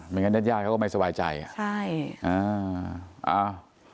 ไม่งั้นนัดยากเขาก็ไม่สบายใจอ่ะใช่อ่า